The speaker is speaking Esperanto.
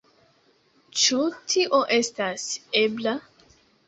Ĉu tio estas ebla?